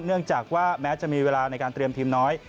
เนื่องจากว่าแม้จะมีเวลาในการเตรียมทีมน้อย